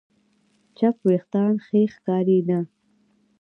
چپ وېښتيان ښې ښکاري نه.